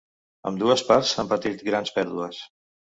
Ambdues parts han patit grans pèrdues.